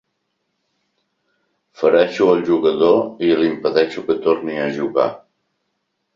Fereixo el jugador i l'impedeixo que torni a jugar.